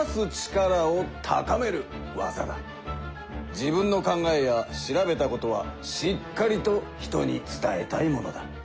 自分の考えや調べたことはしっかりと人に伝えたいものだ。